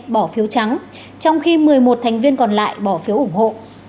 bỏ phiếu trắng trong khi một mươi một thành viên còn lại bỏ phiếu ủng hộ